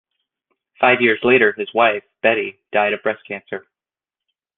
Five years later, his wife, Betty, died of breast cancer.